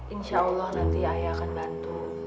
insya allah nanti ayah akan bantu